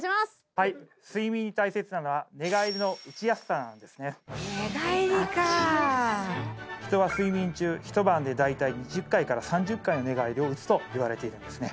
はい睡眠に大切なのは寝返りかうちやすさ人は睡眠中一晩で大体２０回から３０回の寝返りをうつといわれているんですね